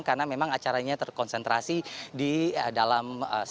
karena memang acaranya terkonsentrasi di dalam silangmonas